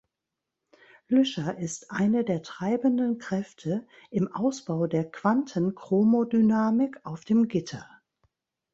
Lüscher ist eine der treibenden Kräfte im Ausbau der „Quantenchromodynamik auf dem Gitter“.